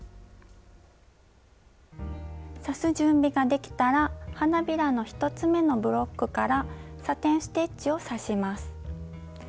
刺す準備ができたら花びらの１つ目のブロックからサテン・ステッチを刺します。